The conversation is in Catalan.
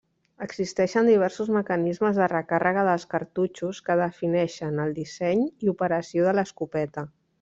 Existeixen diversos mecanismes de recàrrega dels cartutxos que defineixen el disseny i operació de l'escopeta.